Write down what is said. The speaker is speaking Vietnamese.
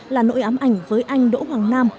là nỗi ám ảnh với anh đỗ hoàng nam